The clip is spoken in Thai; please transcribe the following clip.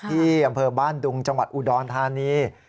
ที่อำเภอบ้านดุงจังหวัดอุดรธานี